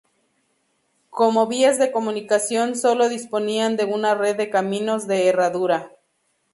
Como vías de comunicación solo disponían de una red de caminos de "herradura".